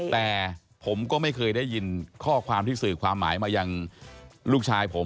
แต่ผมก็ไม่เคยได้ยินข้อความที่สื่อความหมายมายังลูกชายผม